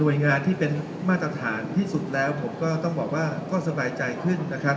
โดยงานที่เป็นมาตรฐานที่สุดแล้วผมก็ต้องบอกว่าก็สบายใจขึ้นนะครับ